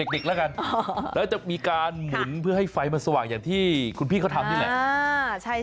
เด็กแล้วกันแล้วจะมีการหมุนเพื่อให้ไฟมันสว่างอย่างที่คุณพี่เขาทำนี่แหละ